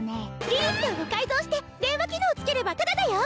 リリスさんを改造して電話機能をつければタダだよ！